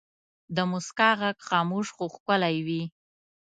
د مسکا ږغ خاموش خو ښکلی وي.